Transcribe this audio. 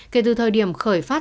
kể từ thời điểm khởi phát